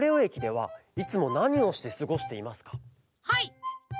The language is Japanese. はい。